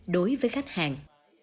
đối với khách hàng